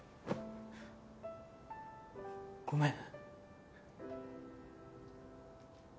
ごめん。